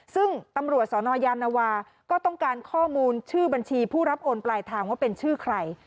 ซึ่งตำรวจสนยานวาก็ต้องการข้อมูลชื่อบัญชีผู้รับโอนปลายทางว่าเป็นชื่อใคร